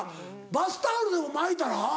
バスタオルでも巻いたら？